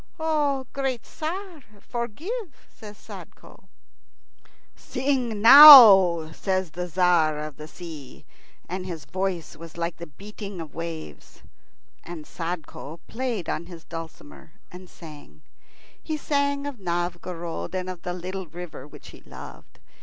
"Great Tzar, forgive," says Sadko. "Sing now," says the Tzar of the Sea, and his voice was like the beating of waves. And Sadko played on his dulcimer and sang. He sang of Novgorod and of the little river Volkhov which he loved.